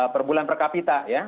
per bulan per kapita